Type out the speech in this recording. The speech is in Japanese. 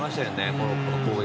モロッコの攻撃。